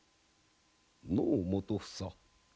のう基房。